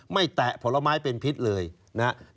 แตะผลไม้เป็นพิษเลยนะครับ